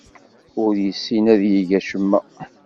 Ur yessin ad yeg acemma.